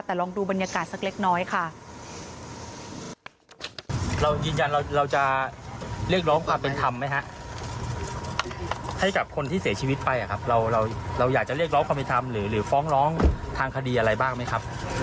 แต่ลองดูบรรยากาศสักเล็กน้อยค่ะ